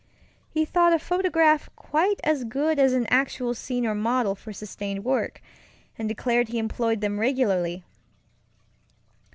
He thought a photograph quite as good as an actual scene or model for sustained work, and declared he employed them regularly.